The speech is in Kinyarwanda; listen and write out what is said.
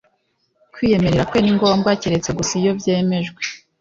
kwiyemerera kwe ni ngombwa keretse gusa iyo byemejwe